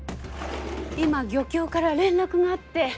今漁協から連絡があって。